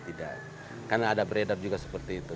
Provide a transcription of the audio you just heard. tidak karena ada beredar juga seperti itu